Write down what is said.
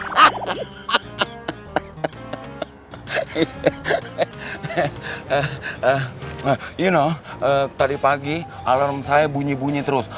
you know tadi pagi alarm saya bunyi bunyi terus